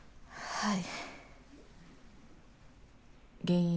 はい。